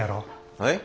はい？